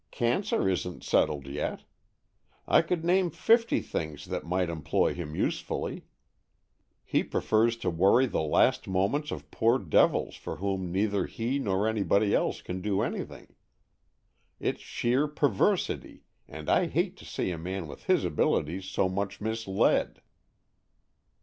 Cancer isn't settled yet. I could name fifty things that might employ him usefully. He prefers to worry the last moments of poor devils for whom neither he nor anybody else can do anything. It's sheer perversity, and I hate to see a man of his abilities so much misled."